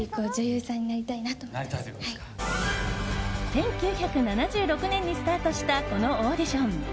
１９７６年にスタートしたこのオーディション。